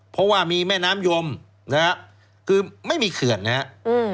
เพราะว่ามีแม่น้ำยมนะฮะคือไม่มีเขื่อนนะครับ